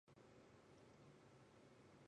他是汉诺威王国和不伦瑞克公国的继承人。